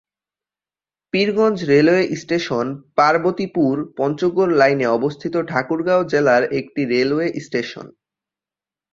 Pirganj railway station Parbatipur-Panchagarh লাইনে অবস্থিত ঠাকুরগাঁও জেলার একটি রেলওয়ে স্টেশন।